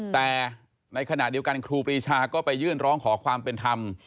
แต่ในขณะเดียวกันครูปรีชาก็ไปยื่นร้องขอความเป็นธรรม